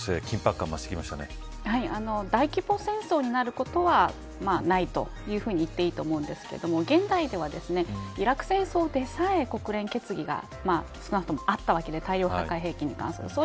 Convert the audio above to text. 緊迫感大規模戦争になることはないというふうに言っていいと思うんですけど現代では、イラク戦争でさえ国連決議が少なくともあったわけで大量破壊兵器に関する。